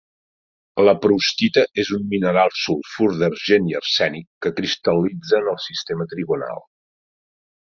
La proustita és un mineral sulfur d'argent i arsènic que cristal·litza en el sistema trigonal.